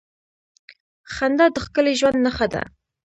• خندا د ښکلي ژوند نښه ده.